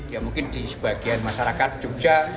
ya mungkin di sebagian masyarakat jogja